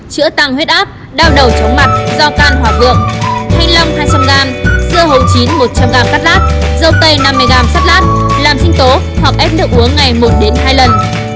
chữa tăng huyết áp đau đầu chống mặt do can hỏa vượng thanh long hai trăm linh g dưa hấu chín một trăm linh g cắt lát dầu tây năm mươi g sắt lát làm sinh tố hoặc ép nước uống ngày một hai lần